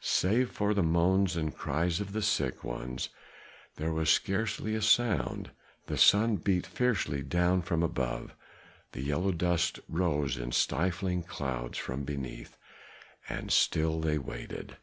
Save for the moans and cries of the sick ones there was scarcely a sound; the sun beat fiercely down from above, the yellow dust rose in stifling clouds from beneath, and still they waited.